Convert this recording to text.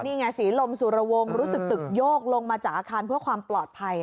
นี่ไงศรีลมสุรวงศ์รู้สึกตึกโยกลงมาจากอาคารเพื่อความปลอดภัย